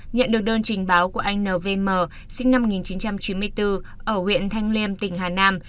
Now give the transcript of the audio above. nhận được đơn trình báo của anh nvm sinh năm một nghìn chín trăm chín mươi bốn ở huyện thanh liêm tỉnh hà nam